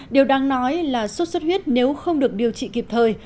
điều đáng nói là sốt xuất huyết nếu không được điều trị kịp thời